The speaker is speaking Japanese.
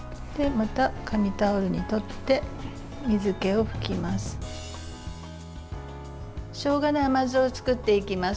また紙タオルにとって水けを拭きます。